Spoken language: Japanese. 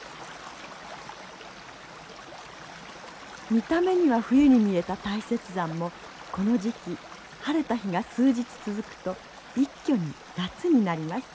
見た目には冬に見えた大雪山もこの時期晴れた日が数日続くと一挙に夏になります。